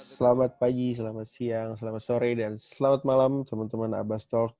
selamat pagi selamat siang selamat sore dan selamat malam teman teman abastalk